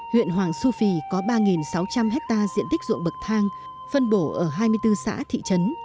huyện hoàng su phi có ba sáu trăm linh hectare diện tích ruộng bậc thang phân bổ ở hai mươi bốn xã thị trấn